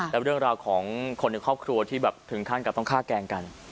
และเรื่องราวของคนในครอบครัวที่แบบถึงขั้นกับต้องฆ่าแกล้งกัน